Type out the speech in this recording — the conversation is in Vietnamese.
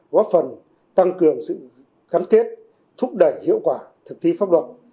góp phần tăng cường sự gắn kết thúc đẩy hiệu quả thực thi pháp luật